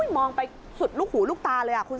มองไปสุดลูกหูลูกตาเลยอ่ะคุณสุศปุ่น